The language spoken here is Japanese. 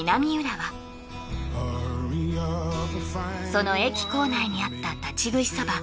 その駅構内にあった立ち食いそば